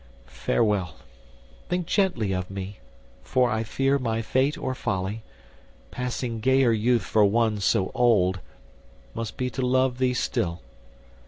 Farewell; think gently of me, for I fear My fate or folly, passing gayer youth For one so old, must be to love thee still.